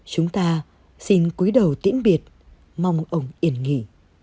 chúng ta xin quý đầu tiễn biệt mong ông yên nghỉ